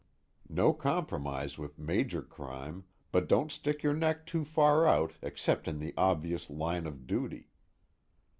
No compromise with major crime, but don't stick your neck too far out except in the obvious line of duty.